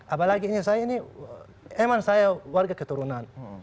apalagi saya ini emang saya warga keturunan